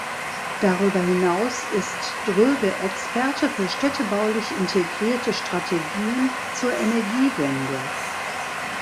Darüber hinaus ist Droege Experte für städtebaulich integrierte Strategien zur Energiewende.